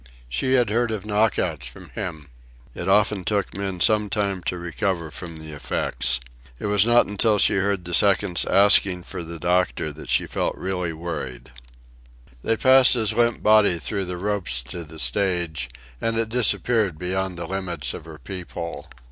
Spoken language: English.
She had heard of knockouts from him. It often took men some time to recover from the effects. It was not till she heard the seconds asking for the doctor that she felt really worried. They passed his limp body through the ropes to the stage, and it disappeared beyond the limits of her peep hole.